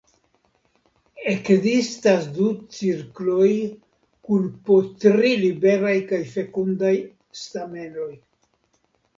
Ekzistas du cirkloj kun po tri liberaj kaj fekundaj stamenoj.